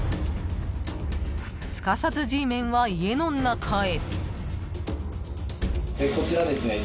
［すかさずＧメンは家の中へ］